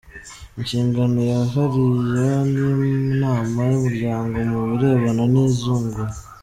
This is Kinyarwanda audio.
Inshingano yihariye y’inama y’umuryango mu birebana n’izungura.